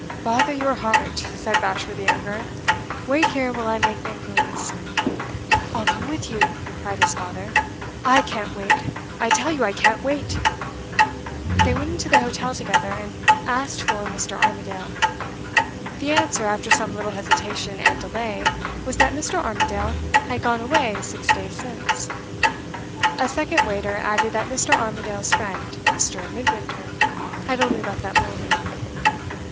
"Bother your heart," said Bashwood the younger. "Wait here while I make the inquiries." "I'll come with you!" cried his father. "I can't wait! I tell you, I can't wait!" They went into the hotel together, and asked for "Mr. Armadale." The answer, after some little hesitation and delay, was that Mr. Armadale had gone away six days since. A second waiter added that Mr. Armadale's friend Mr. Midwinter had only left that morning.